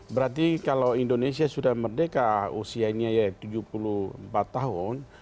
berarti kalau indonesia sudah merdeka usianya ya tujuh puluh empat tahun